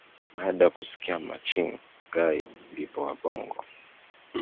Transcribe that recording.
baada ya kusikia maching guy ndipo wabongo